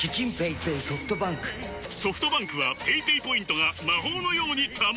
ソフトバンクはペイペイポイントが魔法のように貯まる！